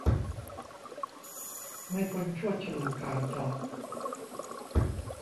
ไม่พ้นชวด ฉลู ขาล เถาะ